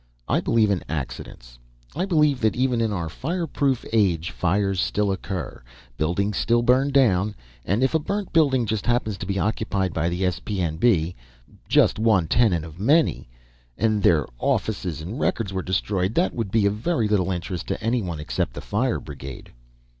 "I believe in accidents. I believe that even in our fireproof age, fires still occur. Buildings still burn down. And if a burnt building just happened to be occupied by the S.P.N.B. just one tenant of many and their offices and records were destroyed; that would be of very little interest to anyone except the fire brigade."